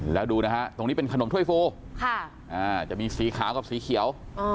แล้วดูนะฮะตรงนี้เป็นขนมถ้วยฟูจะมีสีขาวกับสีเขียว